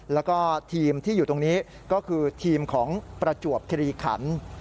แล้วก็ทีมที่อยู่ตรงนี้ก็คือทีมของประจวบคิริขัน